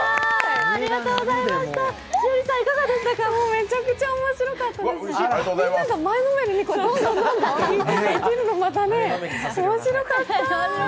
めちゃくちゃ面白かったですし、みんなが前のめりに、どんどん聞いてるのが面白かった。